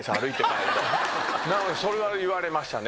なのでそれは言われましたね。